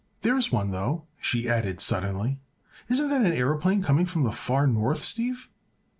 There's one, though!" she added suddenly. "Isn't that an aëroplane coming from the far north, Steve?"